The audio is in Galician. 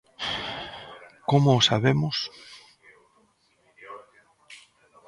¿Como o sabemos?